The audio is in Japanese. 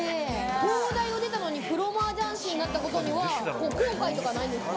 東大を出たのにプロ麻雀士になったのは、後悔とかないんですか？